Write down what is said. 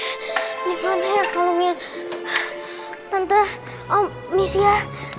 ini mana ya kalau punya tante om misia